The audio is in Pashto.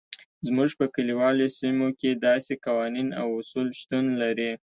زموږ په کلیوالو سیمو کې داسې قوانین او اصول شتون لري.